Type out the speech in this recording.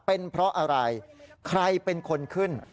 เป็นเพราะอะไรใครเป็นคนขึ้น